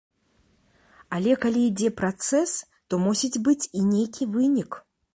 Але калі ідзе працэс, то мусіць быць і нейкі вынік.